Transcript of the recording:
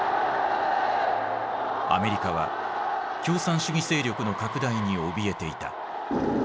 アメリカは共産主義勢力の拡大におびえていた。